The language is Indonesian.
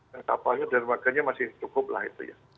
dan apalagi darmaganya masih cukup lah itu ya